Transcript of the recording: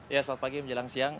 ya selamat pagi menjelang siang